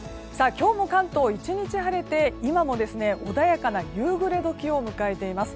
今日も関東１日晴れて今も穏やかな夕暮れ時を迎えています。